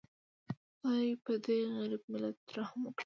خدایه پدې غریب ملت رحم وکړي